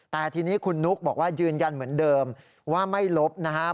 แต่ทีนี้คุณนุ๊กบอกว่ายืนยันเหมือนเดิมว่าไม่ลบนะครับ